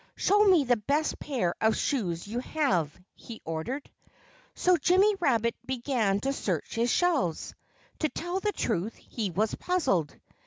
"Show me the best pair of shoes you have," he ordered. So Jimmy Rabbit began to search his shelves. To tell the truth, he was puzzled.